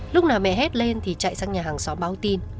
lúc nào mẹ hết lên thì chạy sang nhà hàng xóm báo tin